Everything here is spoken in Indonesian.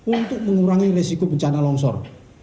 untuk mengurangi resiko bencana longsor